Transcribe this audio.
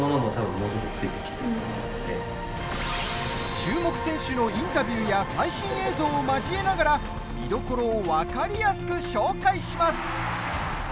注目選手のインタビューや最新映像を交えながら見どころを分かりやすく紹介します。